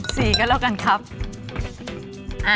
สี่ก็แล้วกันครับ